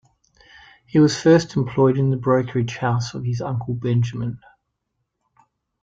He was first employed in the brokerage house of his uncle Benjamin.